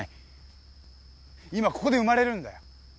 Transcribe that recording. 今ここで生まれるんだよ。